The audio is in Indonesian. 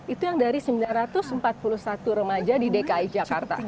itu yang dari sembilan ratus empat puluh satu remaja di dki jakarta